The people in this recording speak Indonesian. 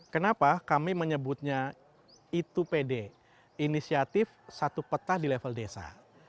kenapa kami menyebutnya itu pd inisiatif satu peta di level desa